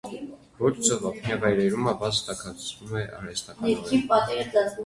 Ոչ ծովափնյա վայրերում ավազը տաքացվում է արհեստականորեն։